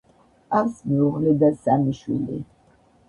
ჰყავს მეუღლე და სამი შვილი.